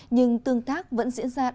nhưng tương tác vẫn diễn ra đầy sôi nổi